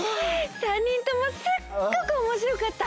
３人ともすっごくおもしろかった！